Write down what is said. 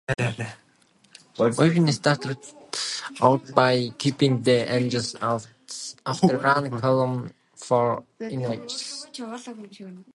Mussina started out by keeping the Angels out of the run column for innings.